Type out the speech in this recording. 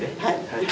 はい。